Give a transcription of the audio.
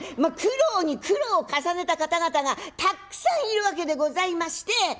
苦労に苦労を重ねた方々がたっくさんいるわけでございまして。